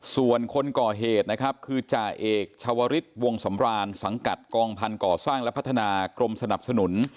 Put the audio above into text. ส่วนคนก่อเหตุนะครับคือจ่าเอกชาวริสวงสำรานสังกัดกองพันธ์ก่อสร้างและพัฒนากรมสนับสนุน